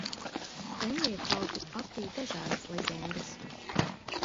Stenlija kausu apvij dažādas leģendas.